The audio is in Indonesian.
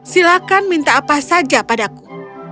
silakan minta apa saja padaku